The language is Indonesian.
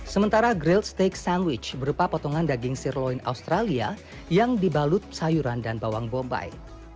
sementara grill steak sandwich berupa potongan daging sirloin australia yang dibalut sayuran dan bawang bombay